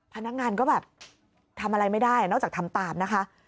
พนักงานก็แบบทำอะไรไม่ได้นอกจากทำตามนะคะ